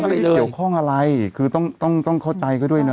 คือเขาไม่ได้เกี่ยวข้องอะไรคือต้องเข้าใจก็ด้วยนะ